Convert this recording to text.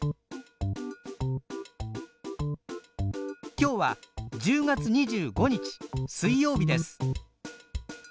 今日は１０月２５日水曜日です。